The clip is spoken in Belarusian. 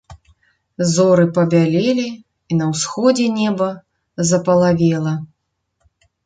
Зоры пабялелі, і на ўсходзе неба запалавела.